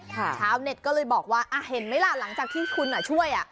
ชาวเน็ตก็เลยบอกหรือเห็นไหมหลังจากที่คุณช่วย